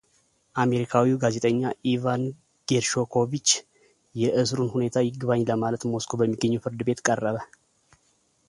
አሜሪካዊው ጋዜጠኛ ኢቫን ጌርሽኮቪች የእስሩን ሁኔታ ይግባኝ ለማለት ሞስኮ በሚገኘው ፍርድ ቤት ቀረበ።